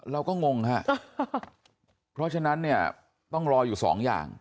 เราก็งงค่ะเพราะฉะนั้นต้องรออยู่สองอย่าง